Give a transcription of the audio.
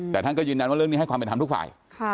แต่ท่านก็ยืนยันว่าเรื่องนี้ให้ความเป็นธรรมทุกฝ่าย